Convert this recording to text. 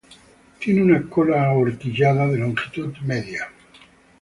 Tiene una cola ahorquillada de longitud media.